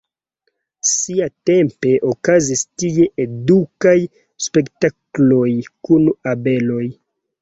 Siatempe okazis tie edukaj spektakloj kun abeloj.